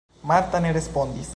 Marta ne respondis.